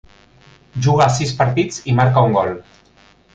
Juga sis partits i marca un gol.